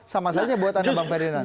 sama saja buat anda bang ferdinand